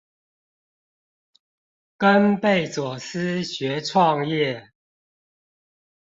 跟貝佐斯學創業